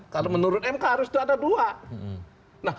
kalau menurut mk harusnya ada dua